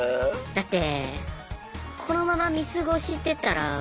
だって。